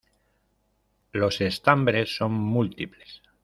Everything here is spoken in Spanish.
Los estambres son múltiples.